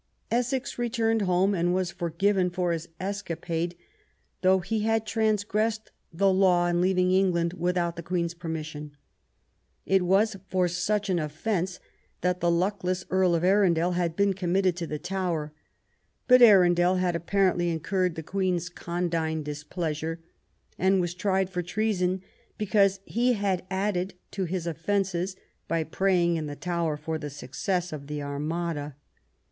Essex returned home, and was forgiven for his escapade, though he had trangressed the law in leaving England without the Queen's permission. It was for such an offence that the luckless Earl of Arundel had been committed to the Tower. But Arundel had apparently incurred the Queen's condign displeasure, and was tried for treason because he had added to his offences by praying in the Tower for the success of the Armada.